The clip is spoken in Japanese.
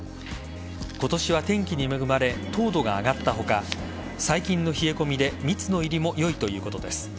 今年は天気に恵まれ糖度が上がった他最近の冷え込みで蜜の入りも良いということです。